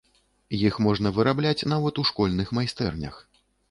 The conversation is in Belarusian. Іх можна вырабляць нават у школьных майстэрнях.